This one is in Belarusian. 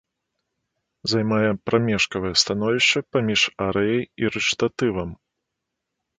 Займае прамежкавае становішча паміж арыяй і рэчытатывам.